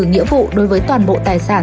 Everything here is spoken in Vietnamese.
nghĩa vụ đối với toàn bộ tài sản